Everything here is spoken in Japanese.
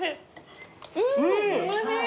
んおいしい。